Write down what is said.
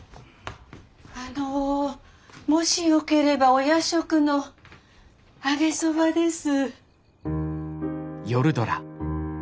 あのもしよければお夜食の揚げそばです。